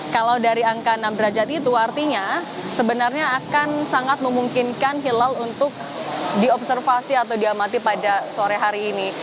kalau dari angka enam derajat itu artinya sebenarnya akan sangat memungkinkan hilal untuk diobservasi atau diamati pada sore hari ini